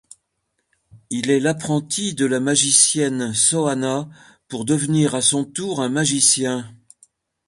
Il est l'apprenti de la magicienne Soana, pour devenir à son tour un magicien.